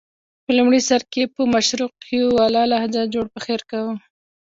په لومړي سر کې یې په مشرقیواله لهجه جوړ پخیر کاوه.